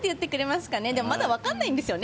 まだ分からないんですよね。